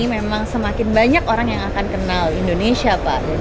memang semakin banyak orang yang akan kenal indonesia pak